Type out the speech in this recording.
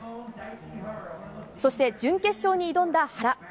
そして、準決勝に挑んだ原。